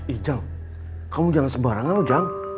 ujang kamu jangan sembarangan ujang